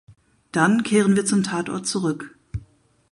Dann kehren wir zum Tatort zurück.